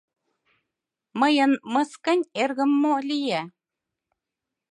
— Мыйын мыскынь эргым, мо лие?